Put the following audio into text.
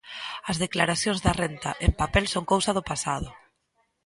As declaracións da renda en papel son cousa do pasado.